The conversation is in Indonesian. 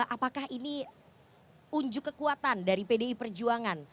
apakah ini unjuk kekuatan dari pdi perjuangan